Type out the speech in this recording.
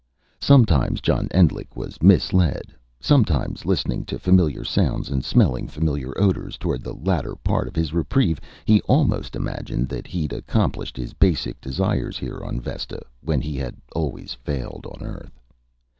Sometimes John Endlich was misled. Sometimes, listening to familiar sounds, and smelling familiar odors, toward the latter part of his reprieve, he almost imagined that he'd accomplished his basic desires here on Vesta when he had always failed on Earth.